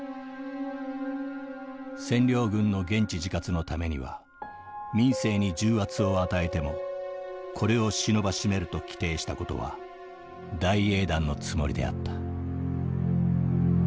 「占領軍の現地自活のためには民生に重圧を与えてもこれを忍ばしめると規定したことは大英断のつもりであった」。